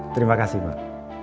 terima kasih pak